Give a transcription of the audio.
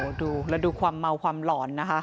ดูแล้วดูความเมาความหลอนนะคะ